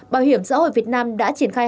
bảo hiểm xã hội việt nam đã triển khai